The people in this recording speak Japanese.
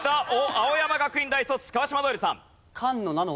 青山学院大卒川島如恵留さん。